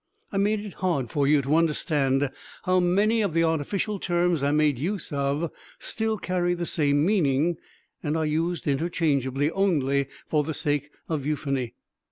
I made it hard for you to understand how many of the artificial terms I made use of still carry the same meaning and are used interchangeably only for the sake of euphony.